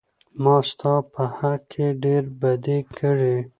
ما ستا په حق کې ډېره بدي کړى.